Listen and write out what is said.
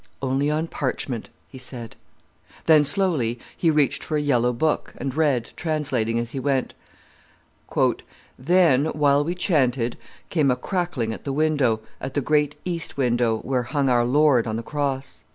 "Only on parchment," he said. Then, slowly, he reached for a yellow book, and read, translating as he went: "Then, while we chanted, came a crackling at the window, at the great east window, where hung our Lord on the Cross.